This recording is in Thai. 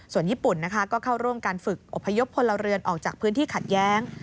ส่วนญี่ปุ่นนะคะก็เข้าร่วมการฝึกอบพยพพลเรือนออกจากพื้นที่ขัดแย้ง